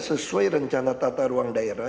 sesuai rencana tata ruang daerah